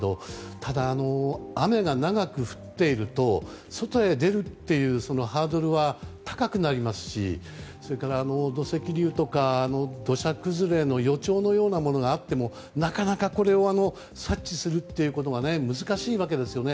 ただ、雨が長く降っていると外へ出るというハードルは高くなりますしそれから、土石流とか土砂崩れの予兆のようなものがあってもなかなかこれを察知するということが難しいわけですよね。